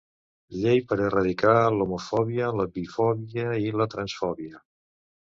Llei per a eradicar l'homofòbia, la bifòbia i la transfòbia.